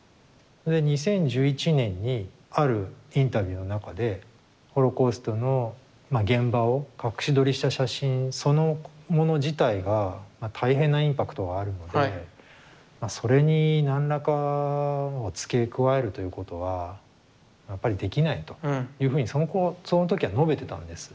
２０１１年にあるインタビューの中でホロコーストの現場を隠し撮りした写真そのもの自体が大変なインパクトがあるのでそれに何らかを付け加えるということはやっぱりできないというふうにその時は述べてたんです。